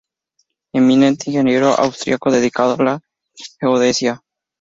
Eminente ingeniero austríaco dedicado a la geodesia.